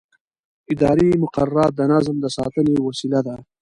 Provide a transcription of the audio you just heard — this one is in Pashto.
اداري مقررات د نظم د ساتنې وسیله ده.